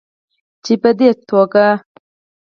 چې په دې توګه